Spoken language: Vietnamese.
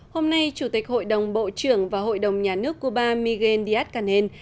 hôm nay chủ tịch hội đồng bộ trưởng và hội đồng nhà nước cuba miguel díaz canel